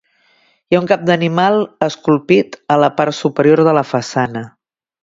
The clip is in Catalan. Hi ha un cap d'animal esculpit a la part superior de la façana.